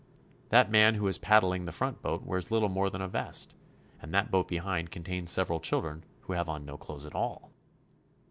That man who is paddling the front boat wears little more than a vest, and that boat behind contains several children who have on no clothes at all.